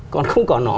còn không có nó